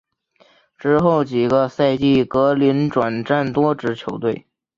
之后几个赛季格林转辗多支球队。